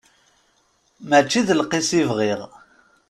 Mačči d lqis i bɣiɣ.